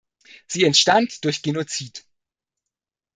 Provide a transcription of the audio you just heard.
Sie entstand durch Genozid.